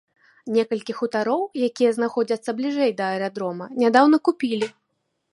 Некалькі хутароў, якія знаходзяцца бліжэй да аэрадрома, нядаўна купілі.